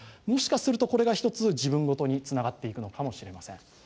もしかするとこれが一つ自分ごとにつながっていくのかもしれません。